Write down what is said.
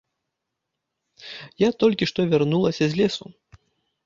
Я толькі што вярнулася з лесу.